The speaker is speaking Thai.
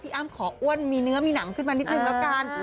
อ้ำขออ้วนมีเนื้อมีหนังขึ้นมานิดนึงแล้วกัน